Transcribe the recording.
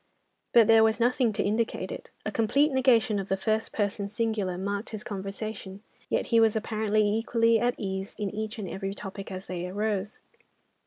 But there was nothing to indicate it. A complete negation of the first person singular marked his conversation, yet he was apparently equally at ease in each and every topic as they arose.